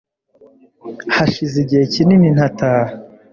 hashize igihe kini ntataha